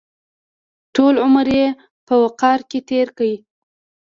ټول عمر یې په وقار کې تېر کړی.